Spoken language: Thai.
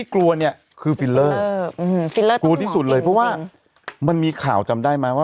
กลัวที่สุดเลยเพราะว่ามันมีข่าวจำได้ไหมว่า